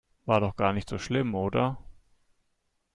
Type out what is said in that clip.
War doch gar nicht so schlimm, oder?